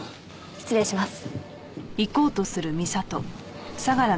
失礼します。